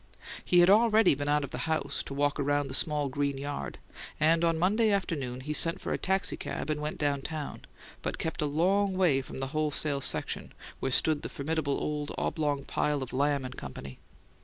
He had already been out of the house, to walk about the small green yard; and on Monday afternoon he sent for a taxicab and went down town, but kept a long way from the "wholesale section," where stood the formidable old oblong pile of Lamb and Company.